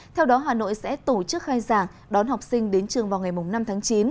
theo đó hà nội sẽ tổ chức khai giảng đón học sinh đến trường vào ngày năm tháng chín